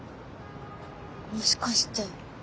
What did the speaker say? もしかして。